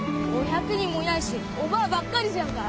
５００人もいないしおばぁばっかりじゃんか。